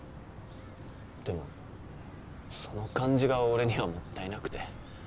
でもその感じが俺にはもったいなくて。